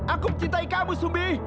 aku mencintai kamu sumi